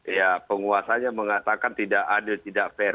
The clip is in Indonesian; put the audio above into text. ya penguasanya mengatakan tidak adil tidak fair